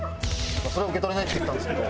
それは受け取れないって言ったんですけど。